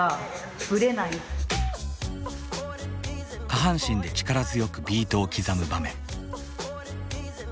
下半身で力強くビートを刻む場面。